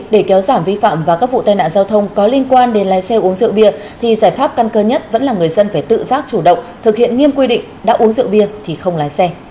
để kéo giảm vi phạm và các vụ tai nạn giao thông có liên quan đến lái xe uống rượu bia thì giải pháp căn cơ nhất vẫn là người dân phải tự giác chủ động thực hiện nghiêm quy định đã uống rượu bia thì không lái xe